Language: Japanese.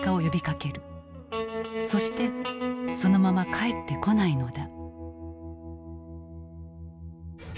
そしてそのまま帰ってこないのだ。